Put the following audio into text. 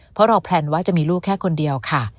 เพราะเราแพลนว่าจะมีลูกแค่คนเดียวค่ะ